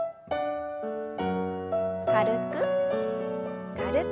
軽く軽く。